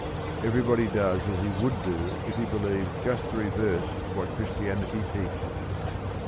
Everybody does as he would do if he believed just the reverse of what Christianity teaches.